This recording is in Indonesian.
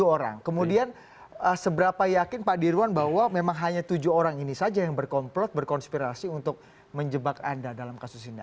tujuh orang kemudian seberapa yakin pak dirwan bahwa memang hanya tujuh orang ini saja yang berkomplot berkonspirasi untuk menjebak anda dalam kasus ini